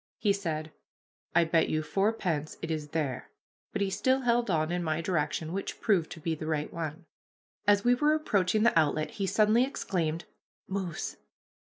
He said, "I bet you fourpence it is there," but he still held on in my direction, which proved to be the right one. As we were approaching the outlet he suddenly exclaimed, "Moose!